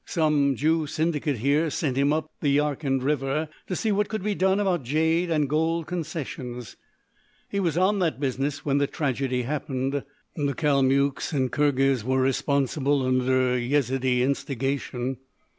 "Some Jew syndicate here sent him up the Yarkand River to see what could be done about jade and gold concessions. He was on that business when the tragedy happened. The Kalmuks and Khirghiz were responsible, under Yezidee instigation.